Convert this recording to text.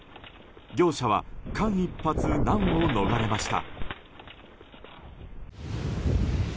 業者は間一髪難を逃れました。